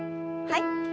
はい。